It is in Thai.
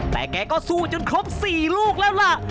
แต่แกก็สู้จนครบ๔ลูกแล้วล่ะ